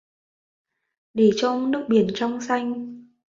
Để cho nước biển trong xanh